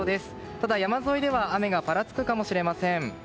ただ、山沿いでは雨がぱらつくかもしれません。